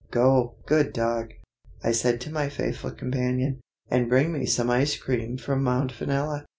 "Go, good dog," I said to my faithful companion, "and bring me some ice cream from Mt. Vanilla.